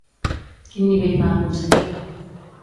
Quin nivell va aconseguir?